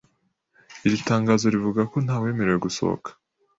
Iri tangazo rivuga ko ntawemerewe gusohoka